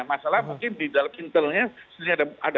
masalah mungkin di dalam intelnya